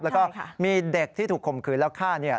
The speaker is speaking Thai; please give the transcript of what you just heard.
แล้วก็มีเด็กที่ถูกข่มขืนแล้วฆ่าเนี่ย